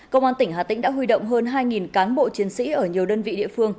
công an tỉnh hà tĩnh đã huy động hơn hai cán bộ chiến sĩ ở nhiều đơn vị địa phương